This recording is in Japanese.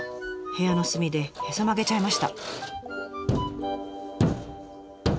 部屋の隅でへそ曲げちゃいました。